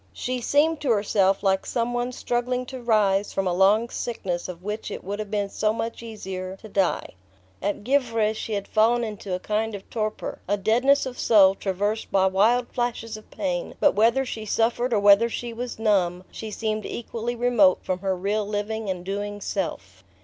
She seemed to herself like some one struggling to rise from a long sickness of which it would have been so much easier to die. At Givre she had fallen into a kind of torpor, a deadness of soul traversed by wild flashes of pain; but whether she suffered or whether she was numb, she seemed equally remote from her real living and doing self.